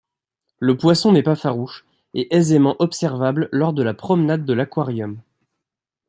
Le poisson n'est pas farouche et aisément observable lors de la promenade de l'aquarium.